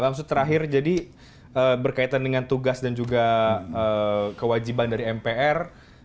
bang sud terakhir jadi berkaitan dengan tugas dan juga kewajiban dari mpr